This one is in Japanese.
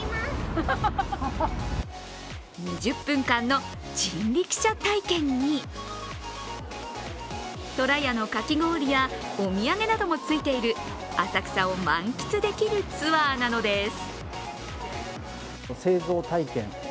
２０分間の人力車体験にとらやのかき氷や、お土産などもついている浅草を満喫できるツアーなのです。